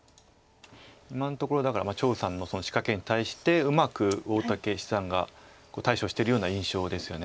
今のところだから張栩さんの仕掛けに対してうまく大竹七段が対処してるような印象ですよね。